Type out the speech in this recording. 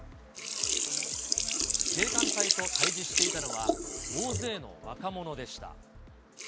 警官隊と対じしていたのは、大勢の若者でした。